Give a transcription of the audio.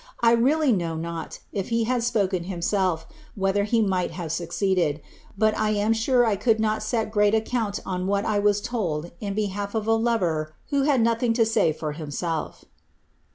1 really know not, if he had spokn himself, whether he might not have succeeded ; but I am sure 1 coaU not set great account on what was told me in behalf of a lover wbo had nothing to say for himself."